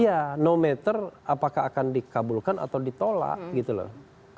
iya no matter apakah akan dikabulkan atau ditolak gitu loh